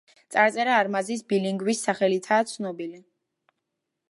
წარწერა არმაზის ბილინგვის სახელითაა ცნობილი.